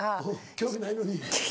興味ないのに。